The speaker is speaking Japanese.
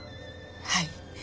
はい。